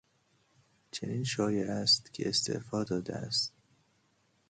چنین شایع است که استعفا داده است.